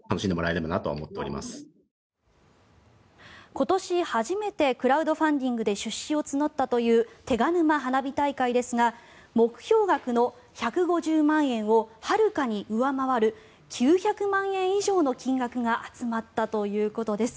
今年初めてクラウドファンディングで出資を募ったという手賀沼花火大会ですが目標額の１５０万円をはるかに上回る９００万円以上の金額が集まったということです。